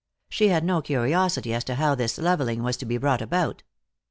She had no curiosity as to how this leveling was to be brought about.